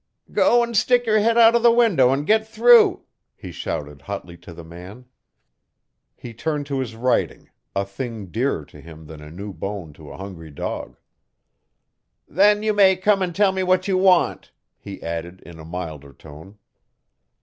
'Go and stick your head out of the window and get through,' he shouted hotly to the man. He turned to his writing a thing dearer to him than a new bone to a hungry dog. 'Then you may come and tell me what you want,' he added in a milder tone.